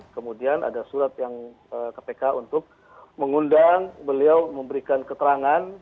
kemudian ada surat yang kpk untuk mengundang beliau memberikan keterangan